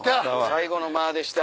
最後のマーでした。